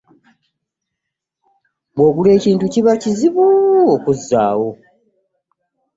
Bw'ogula ekintu kiba kizibu okukizzaayo.